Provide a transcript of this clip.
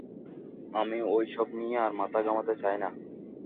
আমি ঐ সব নিয়ে আর মাথা ঘামাতে চাই না।